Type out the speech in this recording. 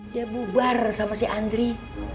dia bubar sama si andri